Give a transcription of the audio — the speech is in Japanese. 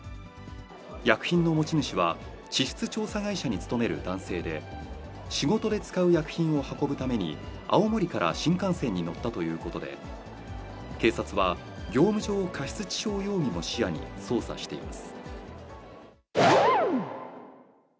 薬品の持ち主は、地質調査会社に勤める男性で、仕事で使う薬品を運ぶために青森から新幹線に乗ったということで、警察は業務上過失致傷容疑も視野に捜査しています。